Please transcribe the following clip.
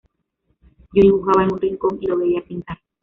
Yo dibujaba en un rincón y lo veía pintar.